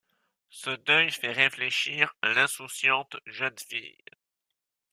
Ce deuil fait réfléchir l'insouciante jeune fille.